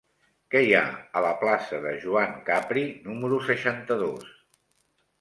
Què hi ha a la plaça de Joan Capri número seixanta-dos?